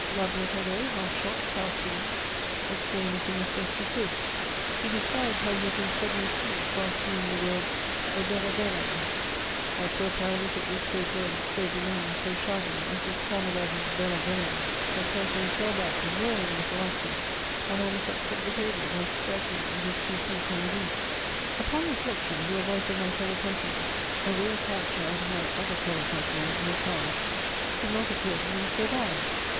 La Boüétardais, half shocked, half pleased, explained the thing as best he could; he described how he had been suddenly seized while singing the words, "O bella Venere!" My poor paralytic looked so dead, so benumbed, so shabby, as he stammered out his "bella Venere" that Peltier fell back, roaring with laughter, and almost upset the table by striking it with his two feet underneath. [Sidenote: I go to Beccles.] Upon reflection, the advice of my fellow countryman, a real character out of my other fellow countryman, Le Sage, did not appear to me so bad.